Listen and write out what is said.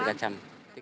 sekarang tiga jam